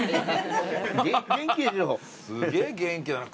すげえ元気だな。